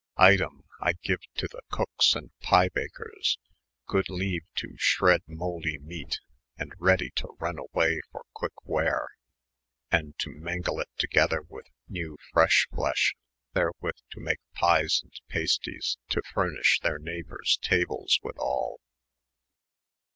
Item, I gene to the Kookes and Pye bakers, good leans to ahreade mouldy meate, & ready to reune away for quick ware^, & to mengle it together with new &eah flesh, there witli to make pies & pasties, to fmniysh their neyghbours tables with all.